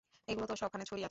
এগুলো তো সবখানে ছড়িয়ে আছে!